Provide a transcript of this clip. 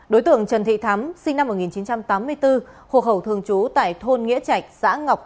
đối tượng trần thị thắm sinh năm một nghìn chín trăm tám mươi bốn hộ khẩu thường trú tại thôn nghĩa trạch xã ngọc